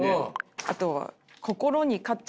あとはお！